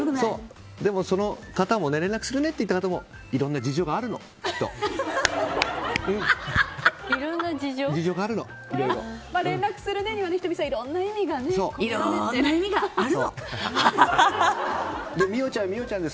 でもその連絡するねと言った方もいろんな事情があるの、きっと。連絡するねにはいろんな意味がありますよね